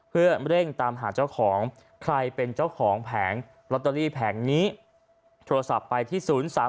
เพื่อเร่งตามหาเจ้าของใครเป็นเจ้าของแผงลอตเตอรี่แผงนี้โทรศัพท์ไปที่๐๓๓